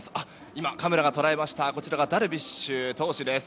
今、カメラが捉えましたこちらがダルビッシュ投手です。